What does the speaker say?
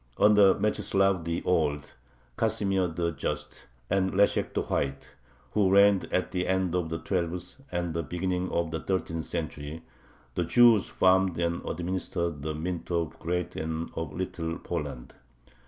Under Mechislav the Old, Casimir the Just, and Leshek the White, who reigned at the end of the twelfth and the beginning of the thirteenth century, the Jews farmed and administered the mint of Great and of Little Poland.